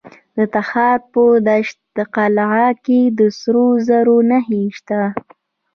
د تخار په دشت قلعه کې د سرو زرو نښې شته.